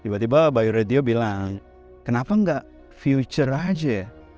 tiba tiba bayu radio bilang kenapa enggak future aja ya